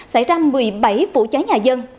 xảy ra một mươi bảy vụ cháy nhà dân